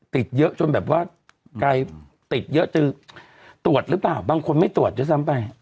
ติดเยอะจนแบบว่ากายติดเยอะจนตรวจหรือเปล่าบางคนไม่ตรวจด้วยซ้ำไป